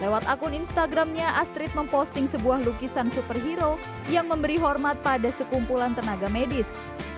lewat akun instagramnya astrid memposting sebuah lukisan superhero yang memberi hormat pada sekumpulan tenaga medis